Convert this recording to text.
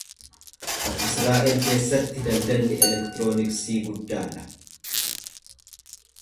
Israa’el keessatti daldalli elektirooniksii guddaa dha.